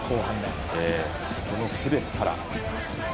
そのプレスから。